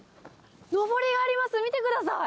のぼりがあります、見てください。